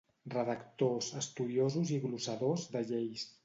Redactors, estudiosos i glossadors de lleis.